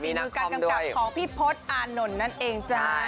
มือการกำกับของพี่พศอานนท์นั่นเองจ้า